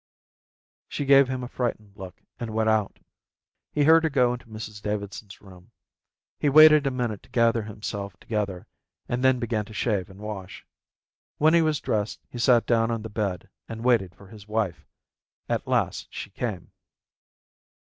She gave him a frightened look and went out. He heard her go into Mrs Davidson's room. He waited a minute to gather himself together and then began to shave and wash. When he was dressed he sat down on the bed and waited for his wife. At last she came.